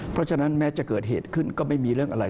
เพราะฉะนั้นแม้จะเกิดเหตุขึ้นก็ไม่มีเรื่องอะไร